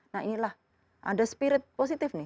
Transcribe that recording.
nah inilah ada spirit positif nih